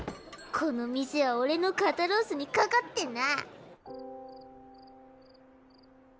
この店は俺の肩ロースに懸かってんな。